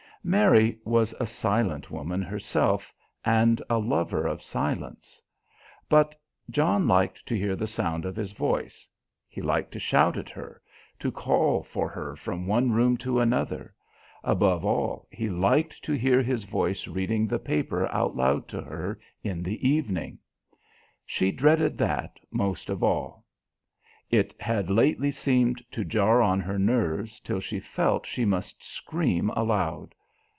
Mary was a silent woman herself and a lover of silence. But John liked to hear the sound of his voice; he liked to shout at her; to call for her from one room to another; above all, he liked to hear his voice reading the paper out loud to her in the evening. She dreaded that most of all. It had lately seemed to jar on her nerves till she felt she must scream aloud.